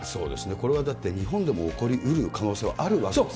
これはだって、日本でも起こりうる可能性があるわけですよね。